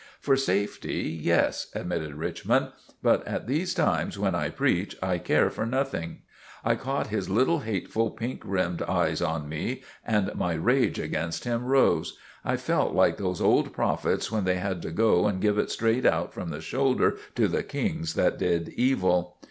"For safety, yes," admitted Richmond; "but at these times when I preach, I care for nothing. I caught his little, hateful, pink rimmed eyes on me and my rage against him rose. I felt like those old prophets when they had to go and give it straight out from the shoulder to the kings that did evil."